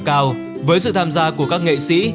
cao với sự tham gia của các nghệ sĩ